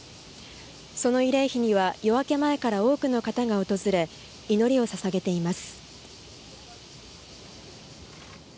その慰霊碑には夜明け前から多くの人が訪れ祈りをささげています。